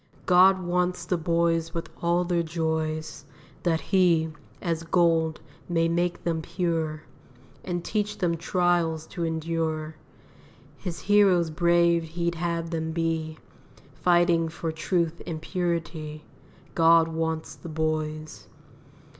God wants the boys with all their joys, That He, as gold, may make them pure, And teach them trials to endure; His heroes brave He'd have them be, Fighting for truth and purity, God wants the boys.